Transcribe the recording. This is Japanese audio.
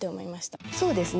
そうですね。